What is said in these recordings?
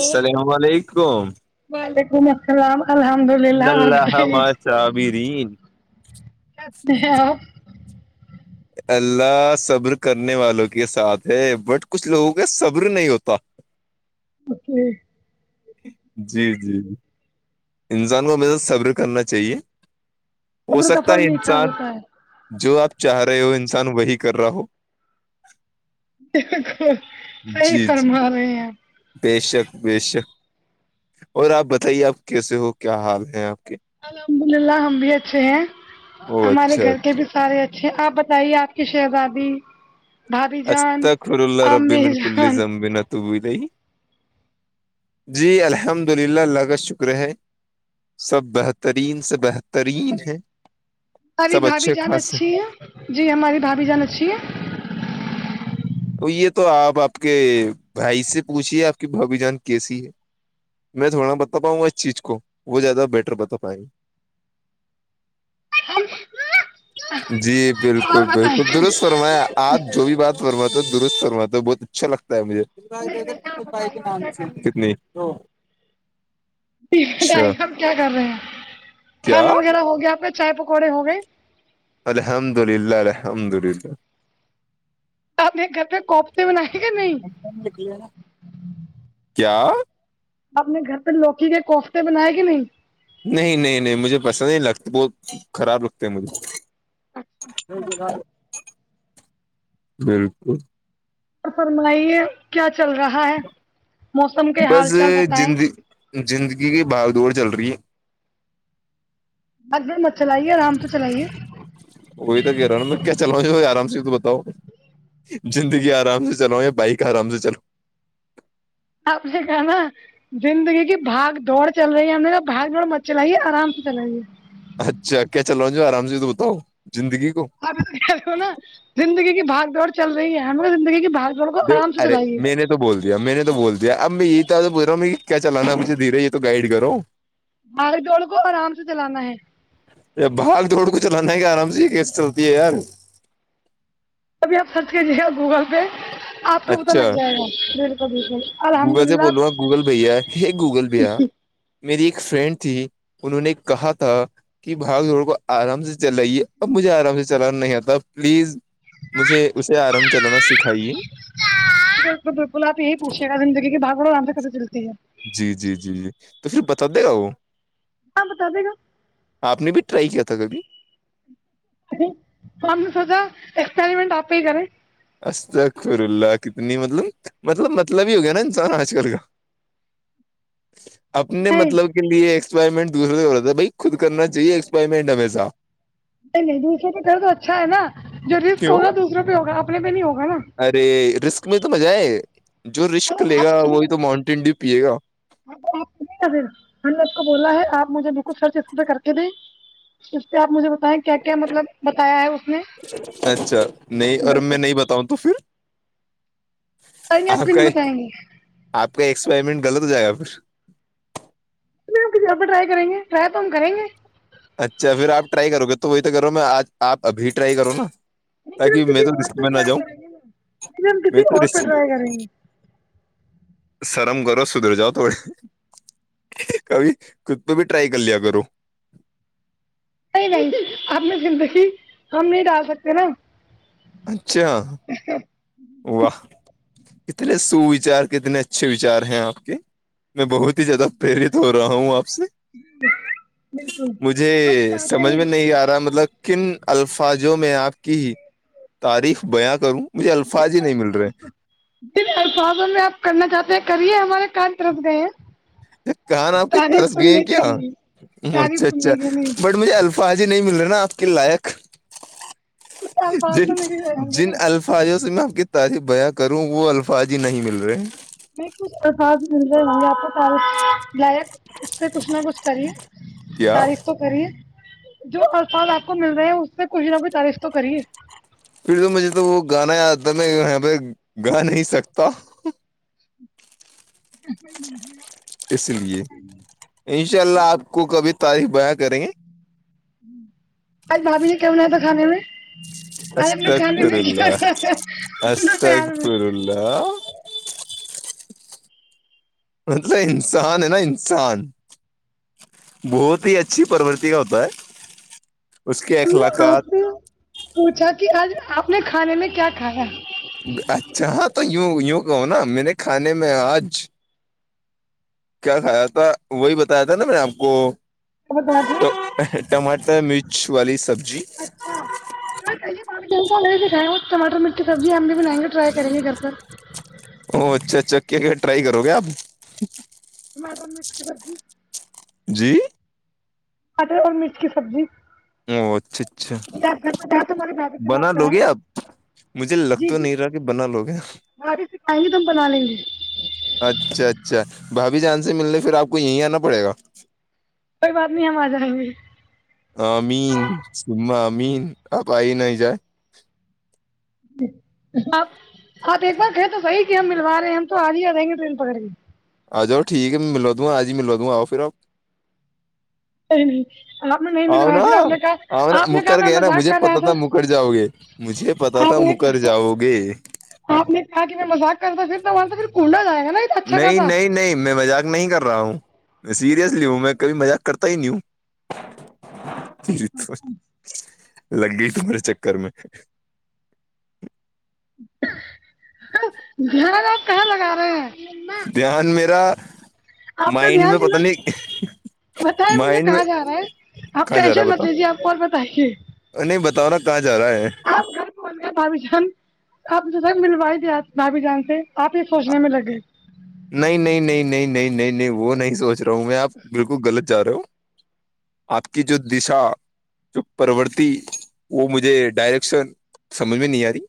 السلام علیکم وعلیکم السلام الحمد ان اللہ وک ما صابرین س ہیں [unintelligible] اللہ صبر کرنے والوں کے ساتھ ہے بٹ کچھ لوگوں کے صبر نہیں ہوتا اوکے [unintelligible] [unintelligible] جی جی جی انسان کو م صبر کرنا چاہیے ہو صبر کا سکتا پھل ہے میٹھا انسان ہوتا جو آپ چاہ رہے ہو انسان وہی کر رہا ہو ایک [unintelligible] [unintelligible] جی جی بے شک بے شک اور آپ بتائیے آپ کیسے ہو کیا حال ہیں آپ کے الحمد للہ ہم بھی اچھے ہیں او ہمارے اچھا گھر کے بھی سارے اچ آپ بتائیے آپ کی شہزادی بھابھی جان اجتک خر اللہ ربی امی مین کلی جان زمبین تو وہ ہی جی الحمد للہ اللہگت شکر ہے سب بہترین سے بہترین ہے ہماری سب بھابھی اچھے جان خاص ہیں اچھی جی ہماری ڈھابی جان اچھی ہے تو یہ تو آپ آپ کے بھائی سے پوچھیے آپ کی بھبھی جان کیسی ہے میں تھوڑا بتااں گا اس چیز کو وہ زیادہ بیٹر بتا پائیں گے ہم جی اور بالکل بالکل بتائیے درست فرمایا آپ جو بھی بات فرماتے ہو درست فرماتا بہت اچھا لگتا ہے مجھے سپی کے نام سے کتنے تو بتائی ہم کیا کر رہے ہیں کیا کھانا وغیرہ ہو گیا آ کے چائے پکوڑے ہو گئے الحمد للہ الحمد للہ آپنے گھر پہ کوفتے بنائے گا نہیں کیا آپنے گھر پہ لوکی کے کوفتے بنائے کہ نہیں نہیں نہیں نہیں مجھے پسند ہی لگتا بت خراب لگتے ہیں مجھے [unintelligible] ہمم بالکل فرمائیے کیا چل رہا ہے موسم کے حال بس چال بتائائے زندگی زندگی کی باگدڑ چل رہی ہے بھگدڑ مت چلائیے آرام سے چلائیے وہی تو گہ رہا نا میں کیا چلاؤوں آرام سے تو بتاؤ زندگی آرام سے چلوؤ یا بائک آرام سے چلو آپ سے کانا زندگی کی بھاگ دوڑ چل رہی ہے ہم نےا بھاگ دوڑ مت چلائی ہے آرام سے چلائیے اچھا کیا چل رہا ہ ج آرام سے تو بتاؤ زندگی کو آپ کہہے ہو نا زندگی کی بھاگ دڑ چل رہی ہے ہم زندگی کی بھاگ دوڑ کو آرام سے ارے چلائیے میں نے محنت تو بول دیا میں نے تو بولیا اب میں یہ تھا پو رہا ہوں کیا چلانا مجھے دھیرے یہ تو گائڈ کرووں باگ جوڑ کو آرام سے چلانا ہے بھاگ دوڑ کو چلانا ہے کہ آرام سے یہ کیس چلتی ہے یار ابھی آپ سرچ کیجیے گا گوگل پہ آپ کو پت اچھا لگ جائے گا بالکل بالکل گوگل الحمد سے للہ بولو ہاں گوگل بھیا یہ گوگل بھیا میری ایک فرینڈ تھی انہوں نے کہا تھا کہ بھاگ دوڑ کو آرام سے چلو یہ اب مجے رہا ہوں چلانا نہیں آتا پلیز مجھے اسے آرام چلانا سکھائیے بالکل بالکل آپ یہی پوچھیے گا زندگی کی بھبگ دوڈ آرام سے کتے چلتی ہے جی جی جی جی تو پھر بتا دے گا وہ ہاں بتا دے گا آپ نے بھی ٹرائی کیا تھا کبھی اے تو ہم نے سھا ایکسپریمٹ آپ ہی کریں استغفر اللہ کتنی مطلب مطلب مطلب ہی ہو گیا نا انسان آج کل کا [inaudible] اپنے نہیں مطلب کے لیے ایکسپائرمنٹ دوسرے سے ہو رہتا ہے بھائی خود کرنا چاہیے ایکسپائرمنٹ ہمیشہ نہیں نہیں دوسروں پہ گھر تو اچھا ہے نا جو رسک کیوں ہوگا دوسروں پہ ہوگا اپنے پہ نہیں ہوگا نا ارے رسک میں تو مزہ ہے جو رسک لے گا وہی تو ماؤنٹین ڈیو پیے گا ہاں تو آپھر ہم نے اس کو بولا ہے آپ مجھے بالکل خرچ اسح کر کے دیں اس پہ آپ مجھے بتائیں کیا کیا مطلب بتایا ہے اس نے اچھا نہیں اور بالکل میں نہیں بتاؤں تو پھر بتائیں گے آپ کیوں کا نہیں بتائیں گے آپ کا ایکسپرمنٹ غلط ہو جائے گا پھر ج پہ ٹرائی کریں گے ٹرائی تو ہم کریں گے اچھا پھر آپ ٹرائی کرو گے تو وہی تو کرو میں آج آپ ابھی ٹرائی کروں نا نہیں پھر ہم تاکہ میں کسی تو اور رسک پہ میں نہ ٹرائی جاؤں کریں گے نا پھر ہم میں کسی تو اور پہ رسک ٹرائی کریں گے سرم گو سدھر جاؤ توڑی کبھی خود پہ بھی ٹرای کر لیا کرو نہیں نہیں اپنی زندگی ہم نہیں ڈال سکتے نا اچھا واہ کتنے سوچار کتنے اچھے وچار ہیں آپ کے [unintelligible] میں بہت ہی زیادہ پریرت ہو رہا ہوں آپ سے بالکل مجھے سمجھ میں نہیں آ رہا مطلب کن الفاظوں میں آپ کی تاریخ بیاں کروں مجھے [unintelligible] فاضی نہیں مل رہے [unintelligible] الفظوں میں آپ کرنا چاہتے ہیں کرے ہمارے کان دس گئے ہیں [unintelligible] کان آپ کے طرف تعریف گئے ہیں سننے کے کیا لیے م اچھا تعریف اچھا سننے کے لیے بٹ [unintelligible] مجھے الفاظی نہیں مل رہا نا آپ کے لائق کچھ الفاظ جن تو مل رہے ہوں گے جن نا الف [unintelligible] فاجوں سے میں آپ کی تعریف بیاں کروں وہ الفاظ ہی نہیں مل رہے [unintelligible] ب کچھ افس مل رہے ہوں گے آپ کو تاریف [unintelligible] لائک اس سے کچھ نہ کچھ کریے کیا تاریخ تو کریے جو آفال آپ کو مل رہے ہیں اس پ میں کچھ نہ کچھ تعریف تو کریے [unintelligible] پھر تو مجھے تو وہ گانا یاد تھا میں یہاں پہ گا نہیں سکتا میا [inaudible] اس لیے ان شاء اللہ آپ کو کبھی تاریخ بیاں کریں گے [unintelligible] آج بھاابھی نے کی بنایا تھا کھانے میں آر کھان استغفر نہیں اللہ کیا پار [unintelligible] د [inaudible] مطلب انسان ہے نا انسان بہت ہی اچھی پرورتی کا ہوتا ہے اس کے آپ اخلاقات سے پوچھا کہ آج آپ نے کھانے میں کیا کھایا ہے [unintelligible] اچھا ہاں تو ی یوں کہو نا میں نے کھانے میں آج [unintelligible] کیا کھایا تھا وہی بتایا تھا نا میں نے آپ کو بتا تھا ٹماٹر مرچ والی سبزی ٹماٹر مرٹ کی سبزی ہم بھی بنائیں گے ٹرائی کریں گے گھر پر او اچھا اچھا کیا کہ ٹرائی کرو گے آپ ٹماٹر مرچ رزی [inaudible] جی اٹر اور مرچ کی سبزی [unintelligible] او اچھا اچھا جی آپ گھر پہ جا تو ہمارے بھابھی سے بنا بات لو کرائیں گے آپ مجھے لگ جی تو جی نہیں رہا کہ بنا لوگے بھابھی سکھائیں گے تو ہم بنا لیں گے اچھا اچھا بھا بھیھی جان سے ملنے پھر آپ کو یہیں آنا پڑے گا کوئی بات نہیں ہم آ جائیں گے ہ مین سم مین آپ ہی نہیں جائے [unintelligible] آپ آپ ایک بار کہ تو صیح کہ ہم ملوا رہے ہیں ہم تو آ رہ ہی آ جائیں گے ٹرین پکڑ کے [unintelligible] آ جؤ ٹھیک ہے ملا دوں آج ہی ملا دوںا آؤ پھر آپ نہیں نہیں آپ نے نہیں آؤ ملوایا نا پھر آپ نے آؤ نا کہا آپ نے کہا مکر میں گئے نا مذاق مجھے کر رہا پتا تھا مکر جاؤ گے مجھے پتا آپ تھا نے مکر کہا جاؤ گے آپ نے کہا کہ میں مذاق کرتا پھر تو وہاں سے پھر کوڑا جائے گ نا تو اچھا نہیں خاصا نہیں نہیں میں مذاق نہیں کر رہ رہا ہوں میں سیریسلی ہوں میں کبھی مزاق کرتا ہی نہیں ہوں تو لگ گئی تمہارے چکر میں دھیان آپ کہاں لگا رہے ہیں [inaudible] دھیان میرا آپ کا مائنڈ میں پت دھیان نہیں بتائے مجھے مائنڈ میں کہاں جا رہا ہے آپ کہاں جا رہا کییشے ہے مت بتاؤ لیجیے آپ کو اور بتائیے نہیں بتاؤ نا کہاں جا رہا ہے آپ بھابھی جان آپ سب ملوائی دیا بھابھی جان سے آپ یہ سوچنے میں لگے [inaudible] نہیں نہیں نہیں نہیں نہیں نہیں نہیں وہ نہیں سوچ رہا ہوں میں آپ بالکل غلط جا رہا ہوں آپ کی جو دشا جو پرورتی وہ مجھے ڈائریکشن سمجھ میں نہیں آ رہی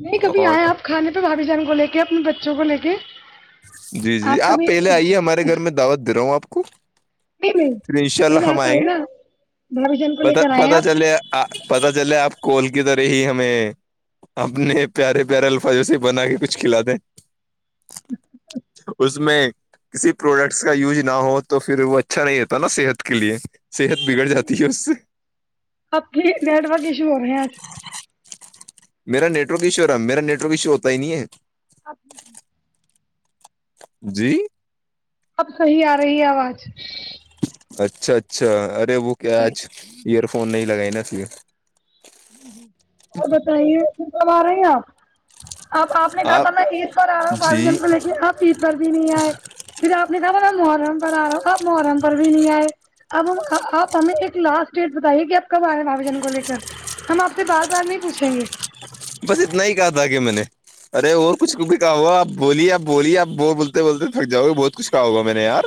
نہیں رہی کبھی اور آئے آپ کھانے پہ بھاابھی جان کو لے کے اپنے بچوں کو لے کے جی جی آپ پہلے آئیے ہمارے گھر میں دعوت دے رہا ہوں آپ کو نہیں نہیں پھر ان شاء اللہ پہلے ہم آپ آئیں آئے گے نا بھابھی جان کو لے پ کر آئے پت آپ چلے آ پتہ چلے آپ کال کی طرح ہی ہمیں اپنے پیارے پیارے الفاظوں سے بنا کے کچھ کھلا دیں اس میں کسی پروڈکٹس کا یوز نہ ہو تو پھر وہ اچھا نہیں ہوتا نا صحت کے لیے صحت بگڑ جاتی ہے اس سے [unintelligible] آپ کے نیٹورک ایشو ہو رہے ہیں آج میرا نیٹورک ایشو ہے رہا میرا نیٹ ورک ایشو ہوتا ہی نہیں ہے اپ [unintelligible] جی [inaudible] اب صحیح آ رہی ہے آواز اچھا اچھا ارے وہ کیا جی آج ایئر فون نہیں لگائے نا اسے جی جی اور بتائیے کیوں کب آ رہے ہیں آپ آپ آپ آپ نے کہا تھا میں عید پر آ رہا ہوں باوی جی جن پہ لیکن اب عید پر بھی نہیں آئے پھر آپ نے کہا م محرم پر آ رہا ہو آپ محرم پر بھی نہیں آئے اب ہم آپ ہمیں ایک لاسٹ ڈیٹ بتائیے گ آپ کب آئے بائی جن کو لے کر ہم آپ سے بار بار نہیں پوچھیں گے [unintelligible] بس اتنا ہی کہا تھا کہ میں نے ارے اور کچھ بھی کہا ہوگا آ بولیےپ بولیے آپ ب بولتے بولتے تھک جاؤ گے بہت کچھ کہا ہوگا میں نے یار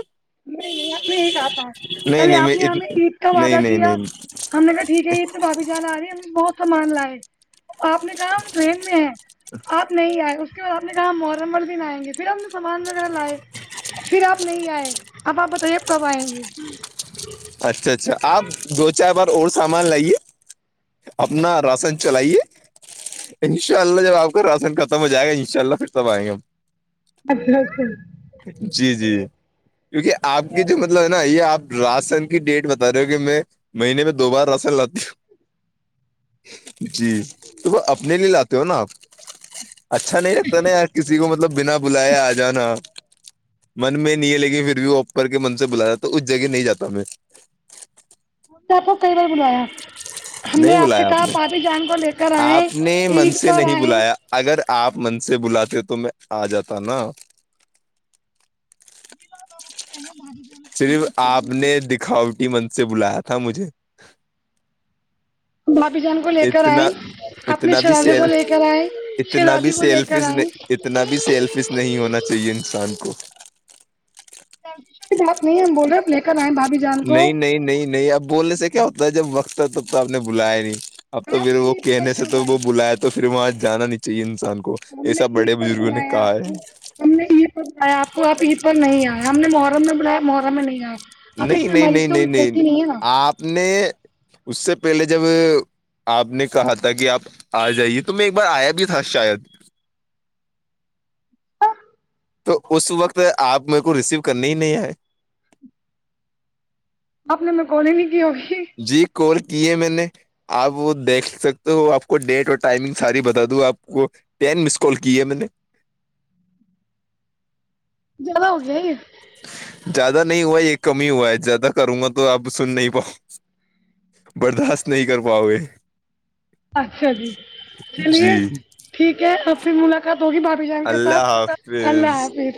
نہیں نہیں آپ نے یہ کہا تھا نہیں پہلے نہیں آپ میں نے ہمیں عید کا نہیں وعدہ نہیں کیا نہیں ہم نے کہا ٹھیک ہے عید تو کاافی جد آ رہی بہت سامان لائے آپ نے کہا ہم ٹرین میں ہیں آپ نہیں آئے اس اس کے بعد آپ نے کہا محرم مر دن آئیں گے پھر آپ نے سامان وغیرہ لائے پھر آپ نہیں آئے اب آپ بتائیے کب آئیں گے اچھا اچھا آپ دو چار بار اور سامان لائیے اپنا راشن چلائیے ان شاء اللہ جب آپ کا راشن ختم ہو جائے گا انشاء اللہ پھر تب آئ گے ہم ا [inaudible] جی جی [unintelligible] کیونکہ آپ کی جو مطلب ہے نا یہ آپ راشن کی ڈیٹ بتا رہے ہو کہ میں مہینے میں دو بار رسن لاتی ہوں جی تو وہ اپنے لیے لاتے ہو نا آپ اچھا نہیں لگتا نا یار کسی کو مطلب بنا بلایا آ جانا من میں نہیں ہے لیکن پھر بھی وہ اوپر کے من سے بلا جاتا اس جگہ نہیں جا میں آپ کو کئی بار بلایا [unintelligible] ہم نے نہیں آپ سے بلایا کہا نے پارٹی جان کو لے کر آئے آپ نے من عید سے پر نہیں آئے بلایا اگر آپ من سے بلاتے تو میں آ جاتا نا [unintelligible] مار صرف آپ نے دکھاوٹی من سے بلایا تھا مجھے بھابھی جان کو لے کر آئے اتنا اپنے اتنا بھی شرادے کو سیل لے کر آئے اتنا بھی شرادی کو لے کر سیلفش آئ اتنا بھی سیلفز نہیں ہونا چاہیے انسان کو مت نہیں بول رہے آپ لے کر آئیں بھابھی جان کو نہیں نہیں نہیں نہیں آپ بولنے سے کیا ہوتا ہے جب وقت ہے تب تو آپ نے بلایا ہی نہیں اب تو آپ پھر وہ عید پر کہنے سے کب تو آئے وہ بلایا تو پھر وہاں جانا نہیں چاہیے انسان کو ہم نے ایسا عید بڑے پر بزرگوں نے بلایا کہا آپ ہے کو ہم نے عید پر بلایا آپ کو آپ عید پر نہیں آئے ہم نے محرم میں بلایا محرا میں نہیں آیا اب اس نہیں میں نہیں ہماری نہیں تو نہیں غلطی نہیں ہے نا آپ نے اس سے پہلے جب آپ نے کہا تھا کہ آپ آ جائیے تو میں ایک بار آیا بھی تھا شاید تو اس وقت آپ میرے کو ریسیو کرنے ہی نہیں آئے آپ نے میں کالونی کی ہوگی جی کال کی ہے میں نے آپ وہ دیکھ سکتے ہو آپ کو ڈیٹ اور ٹائمنگ ساری بتا دوں آپ کو ین مس کال کی ہے میں نے زیاد ہو گیا ہی زیادہ نہیں ہوا ہے یہ کم ہی ہوا ہے زیادہ کروں گا تو آپ سن نہیں پاؤ برداشت نہیں کر پاے اچھا جی چلیے جی ٹھیک ہے اور پھر ملاقات ہوگی باقی ان کے اللہ ساتھ اللہ حافظ حافظ